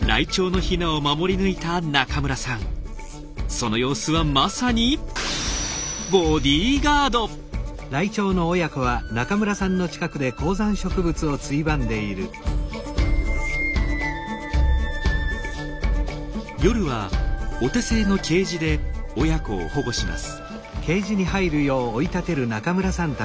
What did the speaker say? その様子はまさに夜はお手製のケージで親子を保護します。